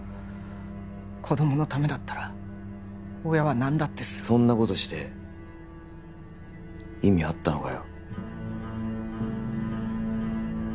子供のためだったら親は何だってするそんなことして意味あったのかよ？